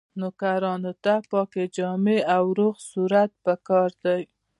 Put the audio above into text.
نوکرانو ته پاکې جامې او روغ صورت پکار دی.